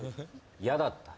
嫌だった。